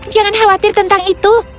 jangan khawatir tentang itu